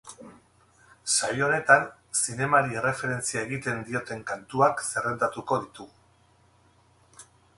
Saio honetan, zinemari erreferentzia egiten dioten kantuak zerrendatuko ditugu.